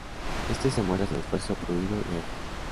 Este se muestra sin esfuerzo, fluido y ágil.